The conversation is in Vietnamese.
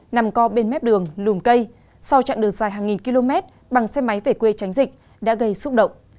nằm co bên mép đường lùm cây sau chặng đường dài hàng nghìn km bằng xe máy về quê tránh dịch đã gây xúc động